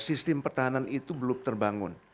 sistem pertahanan itu belum terbangun